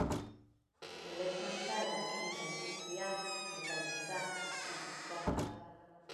Elektronika- eta kimika-industria, metalgintza, ehungintza.